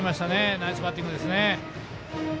ナイスバッティングですね。